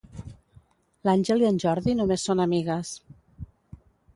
L'Àngel i en Jordi només són amigues.